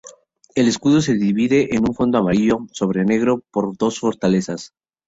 El escudo se divide en un fondo amarillo sobre negro por dos fortalezas.